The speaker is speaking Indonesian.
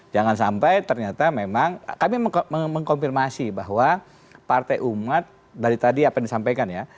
jangan sampai ternyata memang kami mengkonfirmasi bahwa partai umat dari tadi apa yang disampaikan ya